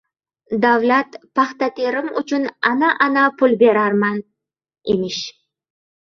— Davlat paxta terim uchun ana-ana pul berarman emish.